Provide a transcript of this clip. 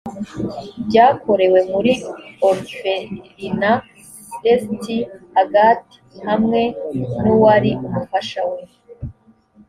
byakorewe muri orpherinat st agathe hamwe n uwari umufasha we